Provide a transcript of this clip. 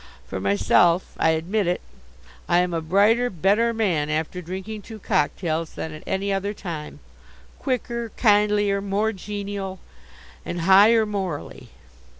For myself I admit it I am a brighter, better man after drinking two cocktails than at any other time quicker, kindlier, more genial. And higher, morally.